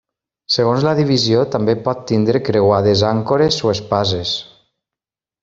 Segons la divisió també pot tenir creuades àncores o espases.